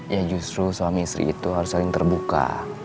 ya justru suami istri itu harus saling terbuka